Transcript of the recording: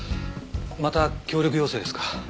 また協力要請ですか？